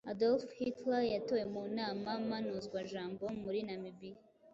adolf hitler yatowe mu nama mpanuzwajambo muri namibia